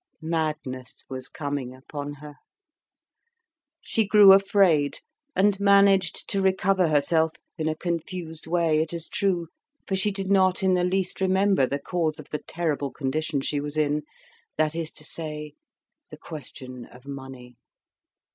Madness was coming upon her; she grew afraid, and managed to recover herself, in a confused way, it is true, for she did not in the least remember the cause of the terrible condition she was in, that is to say, the question of money.